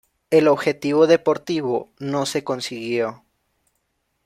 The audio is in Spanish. El objetivo deportivo no se consiguió.